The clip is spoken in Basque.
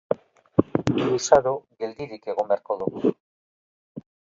Luzaro geldirik egon beharko du.